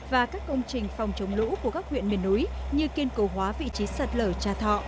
và các công trình phòng chống lũ của các huyện miền núi như kiên cầu hóa vị trí sạt lở trà thọ